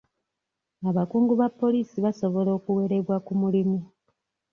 Abakungu ba poliisi basobola okuwerebwa ku mulimu.